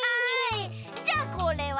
じゃあこれは？